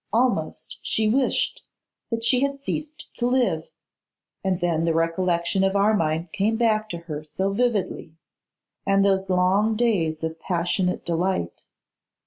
Almost she wished that she had ceased to live, and then the recollection of Armine came back to her so vividly! And those long days of passionate delight!